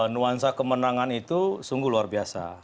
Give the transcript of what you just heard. nuansa kemenangan itu sungguh luar biasa